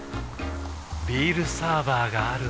ビールサーバーがある夏。